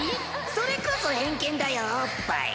それこそ偏見だよおっぱい。